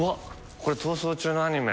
これ『逃走中』のアニメ。